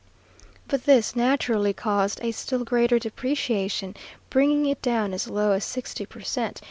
But this naturally caused a still greater depreciation, bringing it down as low as sixty per cent.